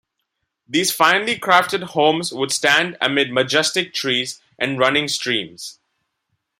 These finely crafted homes would stand amid majestic trees and running streams.